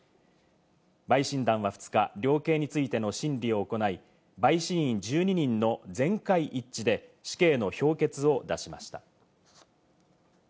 陪審団は２日、量刑についての審理を行い、陪審員１２人の全会一致で死刑の評決を出しました。